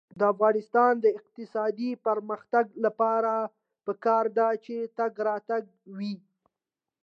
د افغانستان د اقتصادي پرمختګ لپاره پکار ده چې تګ راتګ وي.